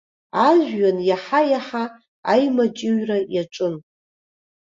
Ажәҩан иаҳа-иаҳа аимаҷыҩра иаҿын.